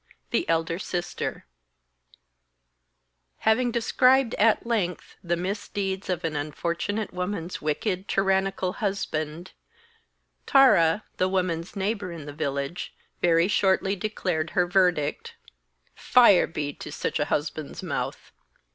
THE ELDER SISTER I Having described at length the misdeeds of an unfortunate woman's wicked, tyrannical husband, Tara, the woman's neighbour in the village, very shortly declared her verdict: 'Fire be to such a husband's mouth.'